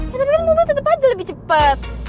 ya tapi kan mobil tetep aja lebih cepet